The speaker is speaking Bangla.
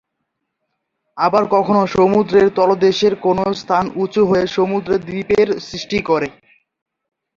আবার কখনো সমুদ্রের তলদেশের কোনো স্থান উঁচু হয়ে সমুদ্রে দ্বীপের সৃষ্টি করে।